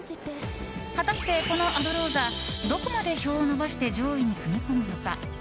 果たして、このアドローザどこまで票を伸ばして上位に食い込むのか？